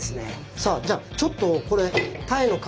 さあじゃあちょっとこれタイの皮